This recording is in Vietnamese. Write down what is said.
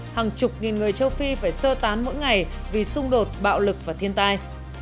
hàng chục nghìn người châu phi phải sơ tán mỗi ngày vì xung đột bạo lực và thiên tai